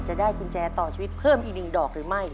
จะได้กุญแจต่อชีวิตเพิ่มอีก๑ดอกหรือไม่